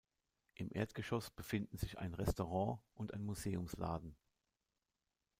Im Erdgeschoss befinden sich ein Restaurant und ein Museumsladen.